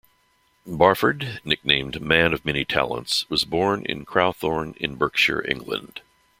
Barford, nicknamed "Man of Many Talents," was born in Crowthorne in Berkshire, England.